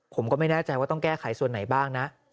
ผมก็ไม่แน่ใจว่าต้องแก้ไขส่วนไหนบ้างนะ